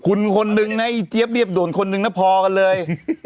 คุณคนนึงนะ๊าย๊ครับเรียบโดนคนนึงแล้วพอกันเลย